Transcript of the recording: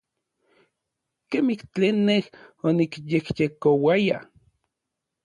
Kemij tlen nej onikyejyekouaya.